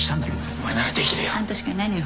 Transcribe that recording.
お前ならできるよ。